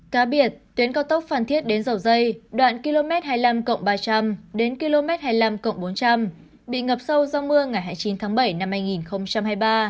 cá biệt tuyến cao tốc phan thiết đến dầu dây đoạn km hai mươi năm ba trăm linh đến km hai mươi năm cộng bốn trăm linh bị ngập sâu do mưa ngày hai mươi chín tháng bảy năm hai nghìn hai mươi ba